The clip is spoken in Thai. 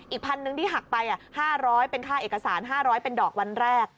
พันหนึ่งที่หักไป๕๐๐เป็นค่าเอกสาร๕๐๐เป็นดอกวันแรก